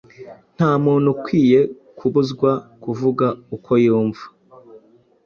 Nta muntu ukwiye kubuzwa kuvuga uko yumva